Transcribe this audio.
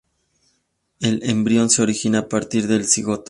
El embrión se origina a partir del cigoto.